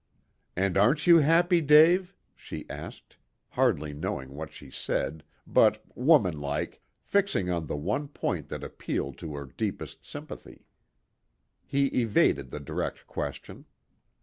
"And aren't you happy, Dave?" she asked, hardly knowing what she said, but, woman like, fixing on the one point that appealed to her deepest sympathy. He evaded the direct question.